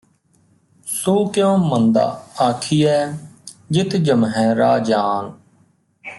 ਸੋ ਕਿਉ ਮੰਦਾ ਆਖੀਐ ਜਿਤੁ ਜੰਮਹਿ ਰਾਜਾਨ